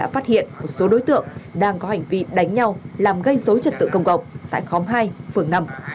phát hiện một số đối tượng đang có hành vi đánh nhau làm gây dối trật tự công cộng tại khóm hai phường năm